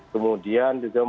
kemudian juga melindungi